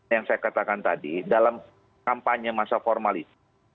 yang saya katakan tadi dalam kampanye masa formal itu